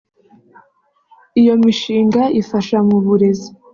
Iyo mishinga ifasha mu burezi